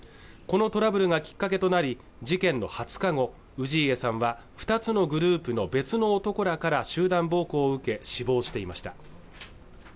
このトラブルがきっかけとなり事件の２０日後氏家さんは２つのグループの別の男らから集団暴行を受け死亡していました